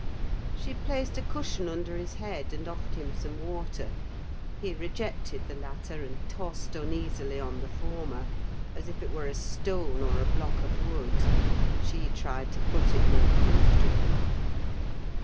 She placed a cushion under his head, and offered him some water; he rejected the latter, and tossed uneasily on the former, as if it were a stone or a block of wood. She tried to put it more comfortably.